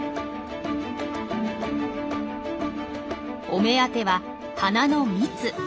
お目当ては花の蜜。